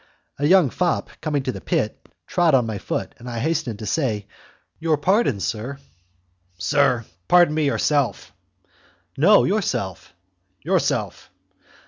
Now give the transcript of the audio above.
A young fop, coming to the pit, trod on my foot, and I hastened to say, "Your pardon, sir." "Sir, pardon me yourself." "No, yourself." "Yourself!"